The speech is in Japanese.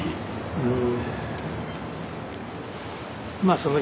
うん。